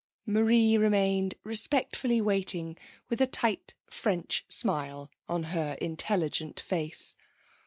Marie remained respectfully waiting, with a tight French smile on her intelligent face.